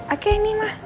oke ini mah